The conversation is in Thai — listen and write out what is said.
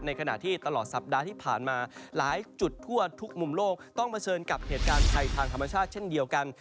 ขณะที่ตลอดสัปดาห์ที่ผ่านมาหลายจุดทั่วทุกมุมโลกต้องเผชิญกับเหตุการณ์ภัยทางธรรมชาติเช่นเดียวกัน